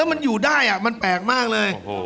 มันอยู่ได้มันแปลกมากเลย